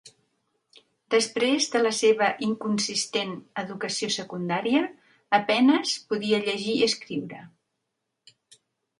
Després de la seva "inconsistent" educació secundària, a penes podia llegir i escriure.